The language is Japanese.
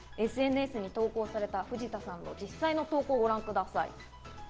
ＳＮＳに投稿された藤田さんの実際の投稿をご覧ください。